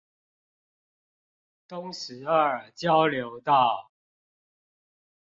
東石二交流道